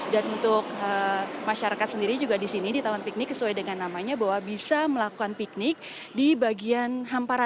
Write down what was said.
dan untuk masyarakat sendiri juga di sini di taman piknik sesuai dengan namanya bahwa bisa melakukan piknik di bagian hamparan